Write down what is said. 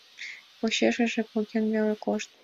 Почешыже поген веле кошт.